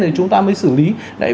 thì chúng ta mới xử lý